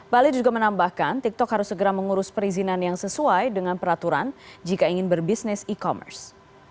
bali juga menambahkan tiktok harus segera mengurus perizinan yang sesuai dengan peraturan jika ingin berbisnis e commerce